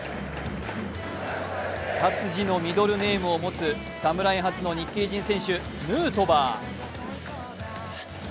タツジのミドルネームを持つ侍初の日系人選手、ヌートバー。